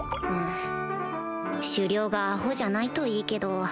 首領がアホじゃないといいけど